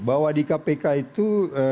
bahwa di kpk itu